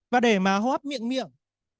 và để mà hô hấp miệng miệng